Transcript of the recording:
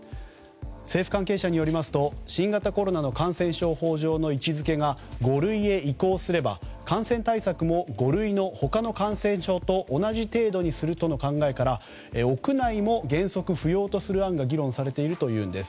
政府関係者によりますと新型コロナの感染症法上の位置づけが五類へ移行すれば感染対策も五類の他の感染症と同じ程度にするとの考えから屋内も原則不要とする案が議論されているというんです。